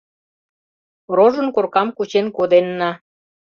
Рожын коркам кучен коденна.